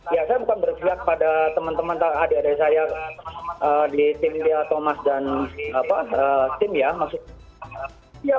ya saya bukan bersiap pada teman teman tak ada di saya di tim dia thomas dan apa tim ya maksudnya